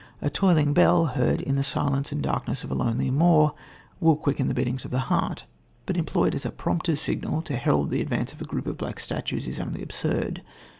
A tolling bell, heard in the silence and darkness of a lonely moor, will quicken the beatings of the heart, but employed as a prompter's signal to herald the advance of a group of black statues is only absurd.